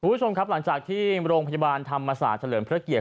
คุณผู้ชมครับหลังจากที่โรงพยาบาลธรรมศาสตร์เฉลิมพระเกียรติ